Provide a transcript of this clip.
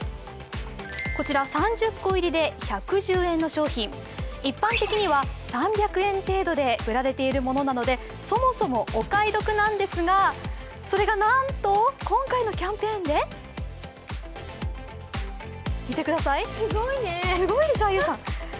こちら３０個入りで１１０円の商品、一般的には３００円程度で売られている者なのでそもそもお買い得なんですが、それがなんと今回のキャンペーンで見てください、すごいでしょ。